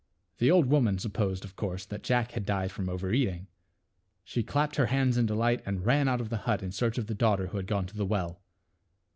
The old woman supposed of course that Jack had died from over eating. She clapped her hands in delight and ran out of the hut in search of the daughter who had gone to the well.